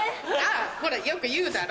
ほらよく言うだろ？